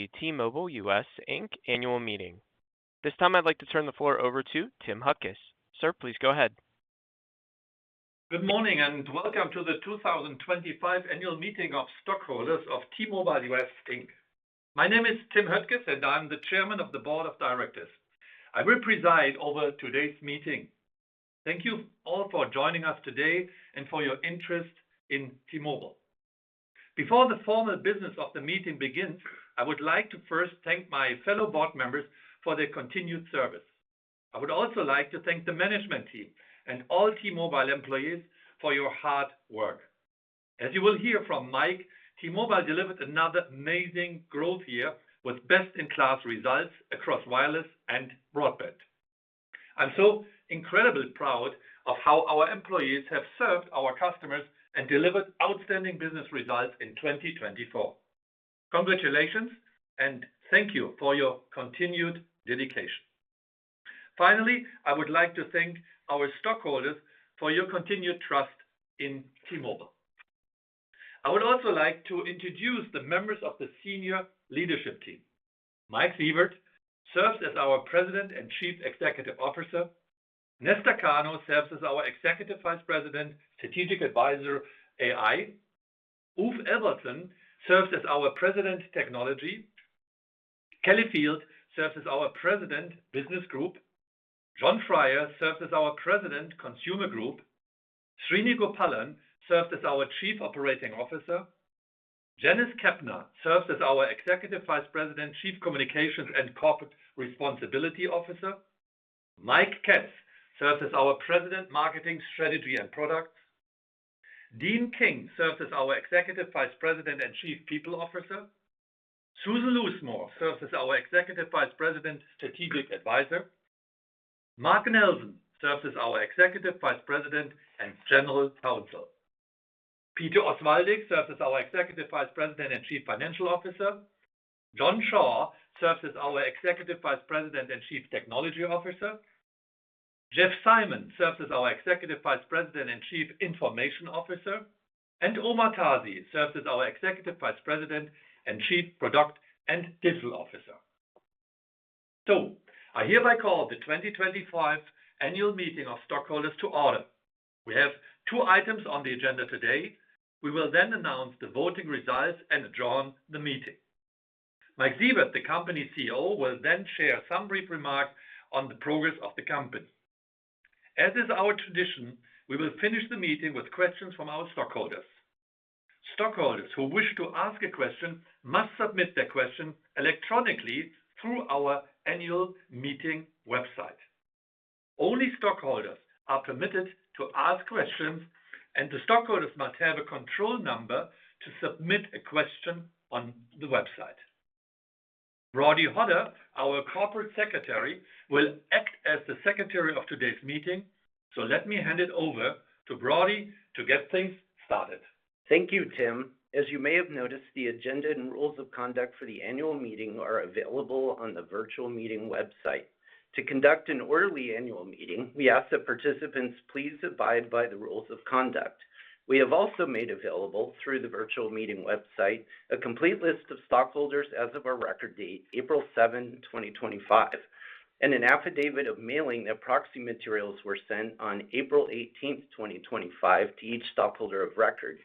The T-Mobile US annual meeting. At this time I'd like to turn the floor over to Tim Höttges. Sir, please go ahead. Good morning and welcome to the 2025 annual meeting of stockholders of T-Mobile US. My name is Tim Höttges, and I'm the Chairman of the Board of Directors. I will preside over today's meeting. Thank you all for joining us today and for your interest in T-Mobile. Before the formal business of the meeting begins, I would like to first thank my fellow board members for their continued service. I would also like to thank the management team and all T-Mobile employees for your hard work. As you will hear from Mike, T-Mobile delivered another amazing growth year with best-in-class results across wireless and broadband. I'm so incredibly proud of how our employees have served our customers and delivered outstanding business results in 2024. Congratulations, and thank you for your continued dedication. Finally, I would like to thank our stockholders for your continued trust in T-Mobile. I would also like to introduce the members of the senior leadership team. Mike Sievert serves as our President and Chief Executive Officer. Néstor Cano serves as our Executive Vice President, Strategic Advisor, AI. Ulf Ewaldson serves as our President, Technology. Callie Field serves as our President, Business Group. John Freier serves as our President, Consumer Group. Srini Gopalan serves as our Chief Operating Officer. Janice Kapner serves as our Executive Vice President, Chief Communications and Corporate Responsibility Officer. Mike Katz serves as our President, Marketing, Strategy, and Products. Deeanne King serves as our Executive Vice President and Chief People Officer. Susan Loosemore serves as our Executive Vice President, Strategic Advisor. Mark Nelson serves as our Executive Vice President and General Counsel. Peter Osvaldik serves as our Executive Vice President and Chief Financial Officer. John Saw serves as our Executive Vice President and Chief Technology Officer. Jeff Simon serves as our Executive Vice President and Chief Information Officer. Omar Tazi serves as our Executive Vice President and Chief Product and Digital Officer. I hereby call the 2025 annual meeting of stockholders to order. We have two items on the agenda today. We will then announce the voting results and adjourn the meeting. Mike Sievert, the Company CEO, will then share some brief remarks on the progress of the company. As is our tradition, we will finish the meeting with questions from our stockholders. Stockholders who wish to ask a question must submit their question electronically through our annual meeting website. Only stockholders are permitted to ask questions, and the stockholders must have a control number to submit a question on the website. Broady Hodder, our Corporate Secretary, will act as the Secretary of today's meeting, so let me hand it over to Broady to get things started. Thank you, Tim. As you may have noticed, the agenda and rules of conduct for the annual meeting are available on the virtual meeting website. To conduct an orderly annual meeting, we ask that participants please abide by the rules of conduct. We have also made available through the virtual meeting website a complete list of stockholders as of our record date, April 7th, 2025, and an affidavit of mailing that proxy materials were sent on April 18th, 2025, to each stockholder of record.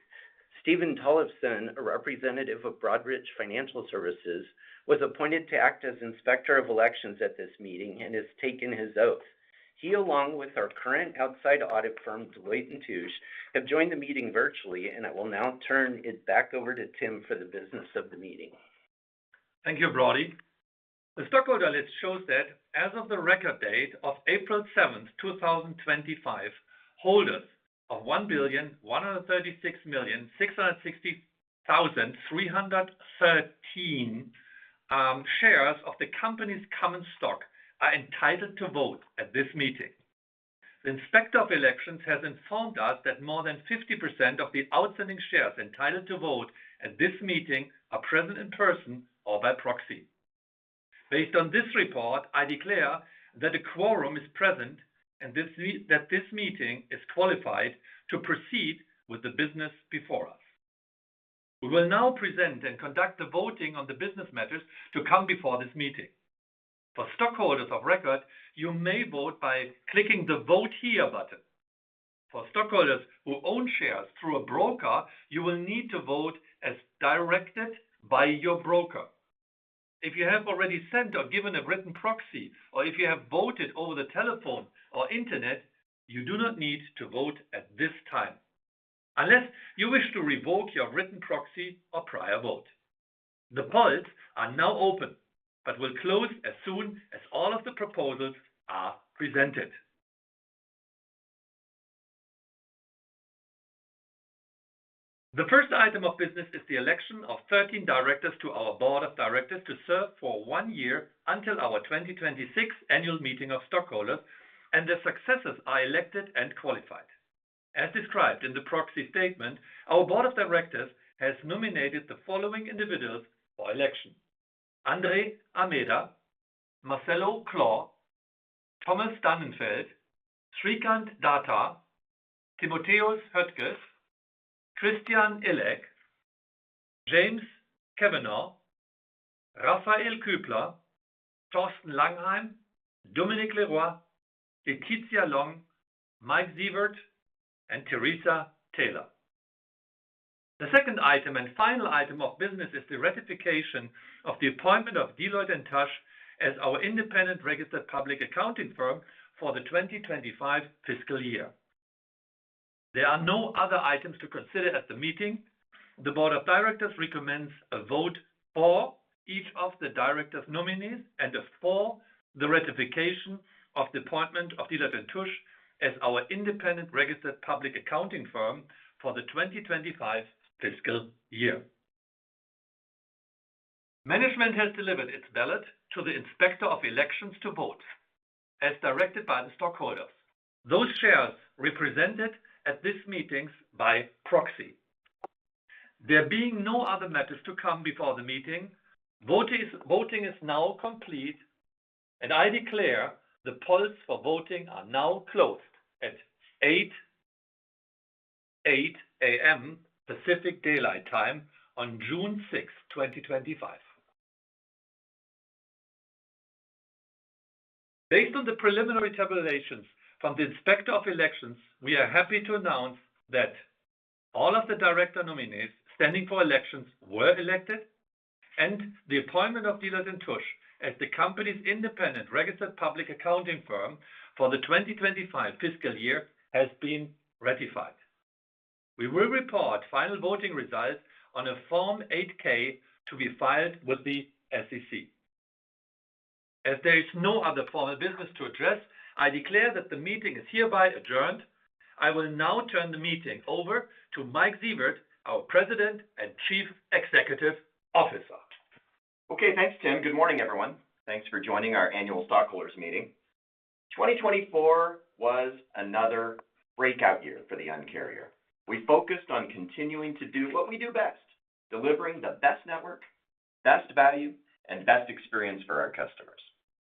Steven Tollefsen, a representative of Broadridge Financial Services, was appointed to act as Inspector of Elections at this meeting and has taken his oath. He, along with our current outside audit firm, Deloitte & Touche, have joined the meeting virtually, and I will now turn it back over to Tim for the business of the meeting. Thank you, Broady. The stockholder list shows that as of the record date of April 7th, 2025, holders of 1,136,660,313 shares of the company's common stock are entitled to vote at this meeting. The Inspector of Elections has informed us that more than 50% of the outstanding shares entitled to vote at this meeting are present in person or by proxy. Based on this report, I declare that a quorum is present and that this meeting is qualified to proceed with the business before us. We will now present and conduct the voting on the business matters to come before this meeting. For stockholders of record, you may vote by clicking the "Vote Here" button. For stockholders who own shares through a broker, you will need to vote as directed by your broker. If you have already sent or given a written proxy, or if you have voted over the telephone or internet, you do not need to vote at this time, unless you wish to revoke your written proxy or prior vote. The polls are now open but will close as soon as all of the proposals are presented. The first item of business is the election of 13 directors to our Board of Directors to serve for one year until our 2026 annual meeting of stockholders and their successors are elected and qualified. As described in the proxy statement, our Board of Directors has nominated the following individuals for election: André Almeida, Marcelo Claure, Thomas Dannenfeldt, Srikanth Datta, Timotheus Höttges, Christian Illek, James Kavanaugh, Raphael Kübler, Thorsten Langheim, Dominique Leroy, Letitia Long, Mike Sievert, and Teresa Taylor. The second item and final item of business is the ratification of the appointment of Deloitte & Touche as our independent registered public accounting firm for the 2025 fiscal year. There are no other items to consider at the meeting. The Board of Directors recommends a vote for each of the directors' nominees and a vote for the ratification of the appointment of Deloitte & Touche as our independent registered public accounting firm for the 2025 fiscal year. Management has delivered its ballot to the Inspector of Elections to vote, as directed by the stockholders. Those shares represented at this meeting by proxy. There being no other matters to come before the meeting, voting is now complete, and I declare the polls for voting are now closed at 8:00 A.M. Pacific Daylight Time on June 6th, 2025. Based on the preliminary tabulations from the Inspector of Elections, we are happy to announce that all of the director nominees standing for elections were elected, and the appointment of Deloitte & Touche as the company's independent registered public accounting firm for the 2025 fiscal year has been ratified. We will report final voting results on a Form 8-K to be filed with the SEC. As there is no other formal business to address, I declare that the meeting is hereby adjourned. I will now turn the meeting over to Mike Sievert, our President and Chief Executive Officer. Okay, thanks, Tim. Good morning, everyone. Thanks for joining our annual stockholders meeting. 2024 was another breakout year for the Un-carrier. We focused on continuing to do what we do best: delivering the best network, best value, and best experience for our customers.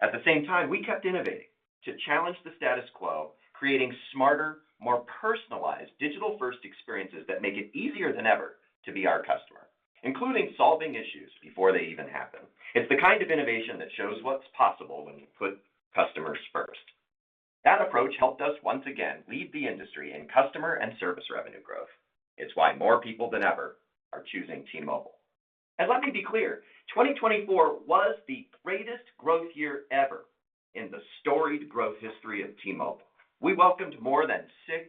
At the same time, we kept innovating to challenge the status quo, creating smarter, more personalized, digital-first experiences that make it easier than ever to be our customer, including solving issues before they even happen. It is the kind of innovation that shows what is possible when you put customers first. That approach helped us once again lead the industry in customer and service revenue growth. It is why more people than ever are choosing T-Mobile. Let me be clear: 2024 was the greatest growth year ever in the storied growth history of T-Mobile. We welcomed more than 6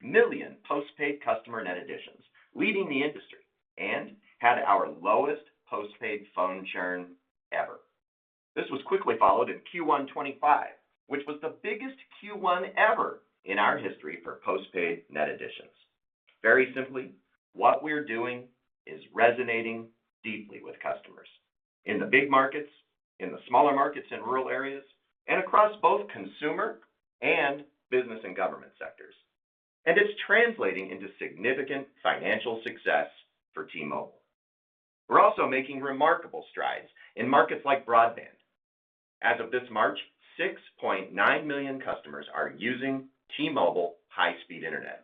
million postpaid customer net additions, leading the industry, and had our lowest postpaid phone churn ever. This was quickly followed in Q1 2025, which was the biggest Q1 ever in our history for postpaid net additions. Very simply, what we're doing is resonating deeply with customers in the big markets, in the smaller markets in rural areas, and across both consumer and business and government sectors. It is translating into significant financial success for T-Mobile. We are also making remarkable strides in markets like broadband. As of this March, 6.9 million customers are using T-Mobile high-speed internet.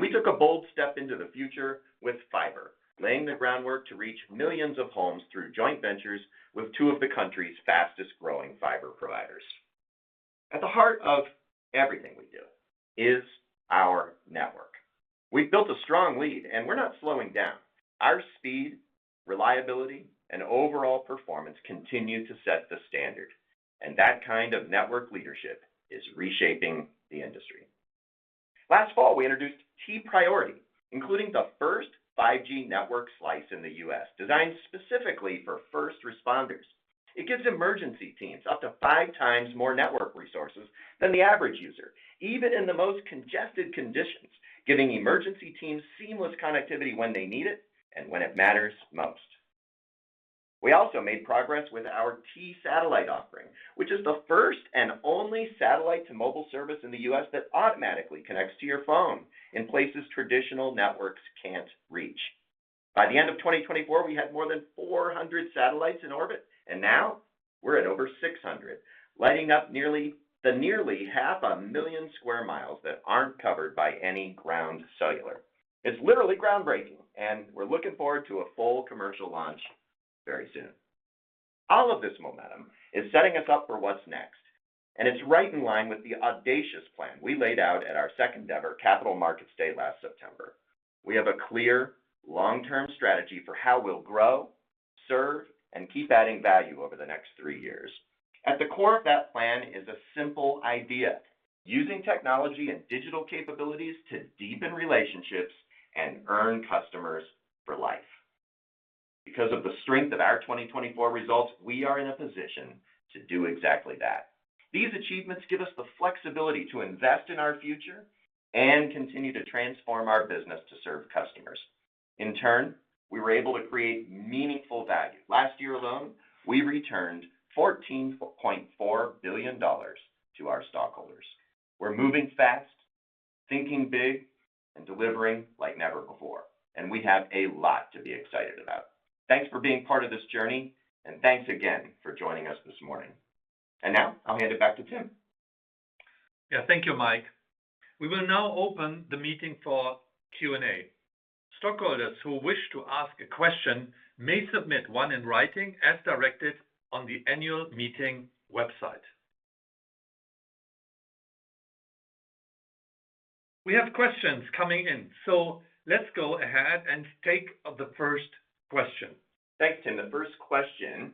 We took a bold step into the future with fiber, laying the groundwork to reach millions of homes through joint ventures with two of the country's fastest-growing fiber providers. At the heart of everything we do is our network. We've built a strong lead, and we're not slowing down. Our speed, reliability, and overall performance continue to set the standard, and that kind of network leadership is reshaping the industry. Last fall, we introduced T-Priority, including the first 5G network slice in the U.S., designed specifically for first responders. It gives emergency teams up to 5x more network resources than the average user, even in the most congested conditions, giving emergency teams seamless connectivity when they need it and when it matters most. We also made progress with our T-Satellite offering, which is the first and only satellite-to-mobile service in the U.S. that automatically connects to your phone in places traditional networks can't reach. By the end of 2024, we had more than 400 satellites in orbit, and now we're at over 600, lighting up nearly 500,000 sq mile that aren't covered by any ground cellular. It's literally groundbreaking, and we're looking forward to a full commercial launch very soon. All of this momentum is setting us up for what's next, and it's right in line with the audacious plan we laid out at our second-ever capital markets day last September. We have a clear long-term strategy for how we'll grow, serve, and keep adding value over the next three years. At the core of that plan is a simple idea: using technology and digital capabilities to deepen relationships and earn customers for life. Because of the strength of our 2024 results, we are in a position to do exactly that. These achievements give us the flexibility to invest in our future and continue to transform our business to serve customers. In turn, we were able to create meaningful value. Last year alone, we returned $14.4 billion to our stockholders. We are moving fast, thinking big, and delivering like never before, and we have a lot to be excited about. Thanks for being part of this journey, and thanks again for joining us this morning. Now I will hand it back to Tim. Yeah, thank you, Mike. We will now open the meeting for Q&A. Stockholders who wish to ask a question may submit one in writing as directed on the annual meeting website. We have questions coming in, so let's go ahead and take the first question. Thanks, Tim. The first question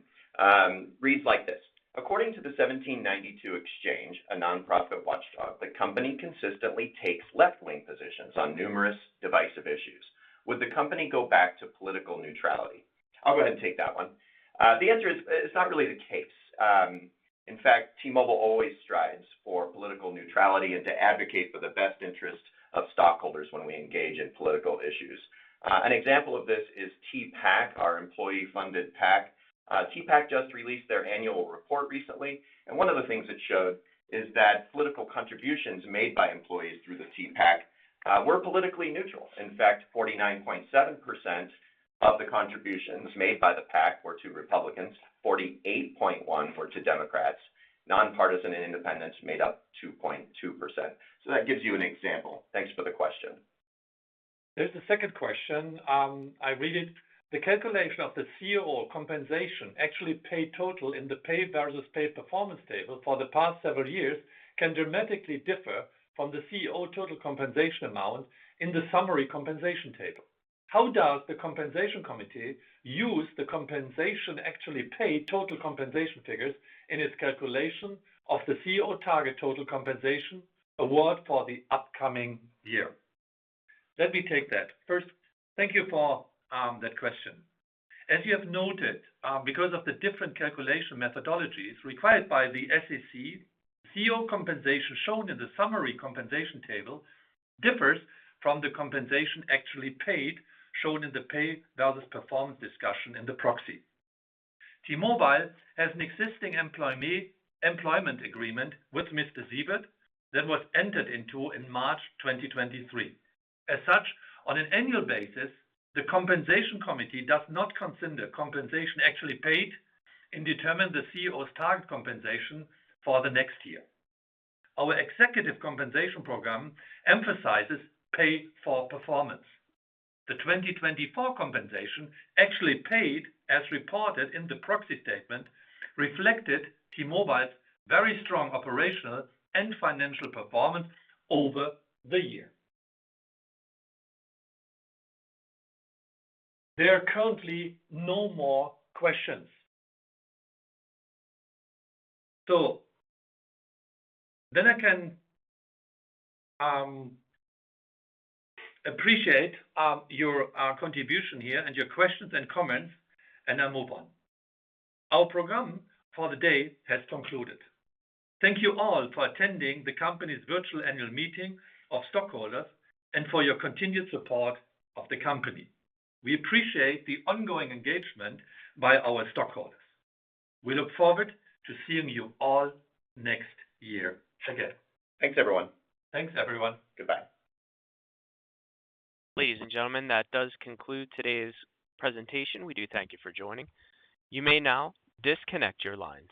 reads like this: According to the 1792 Exchange, a nonprofit watchdog, the company consistently takes left-wing positions on numerous divisive issues. Would the company go back to political neutrality? I'll go ahead and take that one. The answer is it's not really the case. In fact, T-Mobile always strives for political neutrality and to advocate for the best interests of stockholders when we engage in political issues. An example of this is TPAC, our employee-funded PAC. TPAC just released their annual report recently, and one of the things it showed is that political contributions made by employees through the TPAC were politically neutral. In fact, 49.7% of the contributions made by the PAC were to Republicans, 48.1% were to Democrats, nonpartisan and independents made up 2.2%. That gives you an example. Thanks for the question. There's the second question. I read it: The calculation of the COO compensation actually paid total in the pay versus paid performance table for the past several years can dramatically differ from the COO total compensation amount in the summary compensation table. How does the Compensation Committee use the compensation actually paid total compensation figures in its calculation of the COO target total compensation award for the upcoming year? Let me take that. First, thank you for that question. As you have noted, because of the different calculation methodologies required by the SEC, COO compensation shown in the summary compensation table differs from the compensation actually paid shown in the pay versus performance discussion in the proxy. T-Mobile has an existing employment agreement with Mr. Sievert that was entered into in March 2023. As such, on an annual basis, the Compensation Committee does not consider compensation actually paid and determine the COO's target compensation for the next year. Our executive compensation program emphasizes pay for performance. The 2024 compensation actually paid, as reported in the proxy statement, reflected T-Mobile's very strong operational and financial performance over the year. There are currently no more questions. I can appreciate your contribution here and your questions and comments, and I'll move on. Our program for the day has concluded. Thank you all for attending the company's virtual annual meeting of stockholders and for your continued support of the company. We appreciate the ongoing engagement by our stockholders. We look forward to seeing you all next year again. Thanks, everyone. Thanks, everyone. Goodbye. Ladies and gentlemen, that does conclude today's presentation. We do thank you for joining. You may now disconnect your lines.